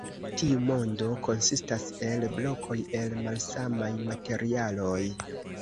Tiu mondo konsistas el blokoj el malsamaj materialoj.